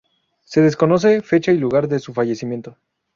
Se desconocen fecha y lugar de su fallecimiento.